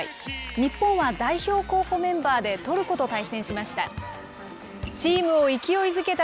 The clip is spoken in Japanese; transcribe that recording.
日本は代表候補メンバーでトルコと対戦しました。